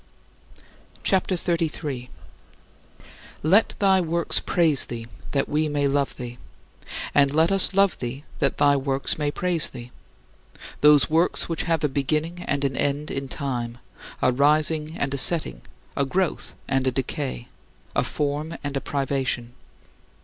CHAPTER XXXIII 48. Let thy works praise thee, that we may love thee; and let us love thee that thy works may praise thee those works which have a beginning and an end in time a rising and a setting, a growth and a decay, a form and a privation.